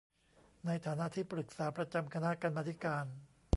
ในฐานะที่ปรึกษาประจำคณะกรรมาธิการ